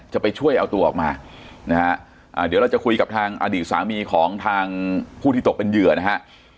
จะไปช่วยเอาตัวออกมานะฮะเดี๋ยวเราจะคุยกับทางอดีตสามีของทางผู้ที่ตกเป็นเหยื่อนะฮะ